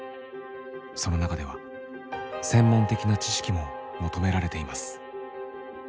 その中では専門的な知識も求められています。